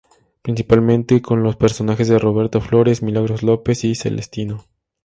Principalmente con los personajes de "Roberto Flores", "Milagros López" y "Celestino".